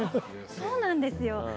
そうなんですよ。